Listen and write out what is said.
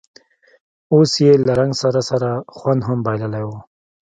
اوس یې له رنګ سره سره خوند هم بایللی و.